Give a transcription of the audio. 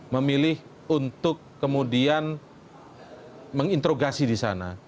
memilih untuk kemudian menginterogasi di sana